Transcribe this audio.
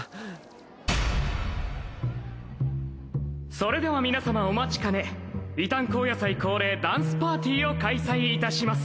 それでは皆様お待ちかね伊旦後夜祭恒例ダンスパーティーを開催いたします。